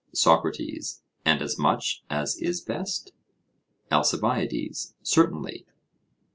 SOCRATES: And as much as is best? ALCIBIADES: Certainly.